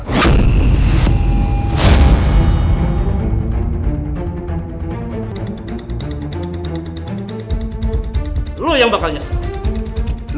kalian gak akan nyesel